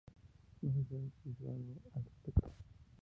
No se sabe si se hizo algo al respecto.